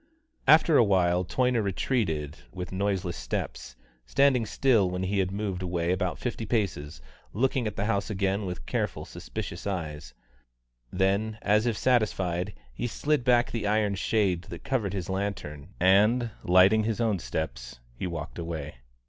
After a while Toyner retreated with noiseless steps, standing still when he had moved away about fifty paces, looking at the house again with careful, suspicious eyes; then, as if satisfied, he slid back the iron shade that covered his lantern and, lighting his own steps, he walked away.